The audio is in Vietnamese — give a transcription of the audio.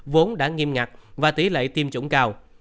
vốn đã nghiêm ngặt và tỷ lệ tiêm chủng cao